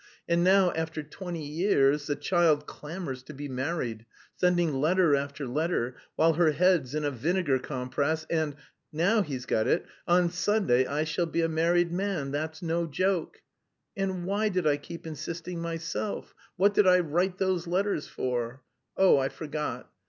And now, after twenty years, the child clamours to be married, sending letter after letter, while her head's in a vinegar compress and... now he's got it on Sunday I shall be a married man, that's no joke.... And why did I keep insisting myself, what did I write those letters for? Oh, I forgot.